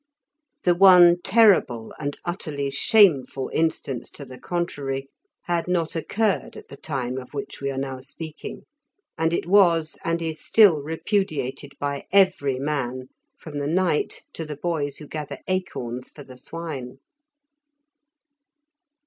The one terrible and utterly shameful instance to the contrary had not occurred at the time of which we are now speaking, and it was and is still repudiated by every man, from the knight to the boys who gather acorns for the swine.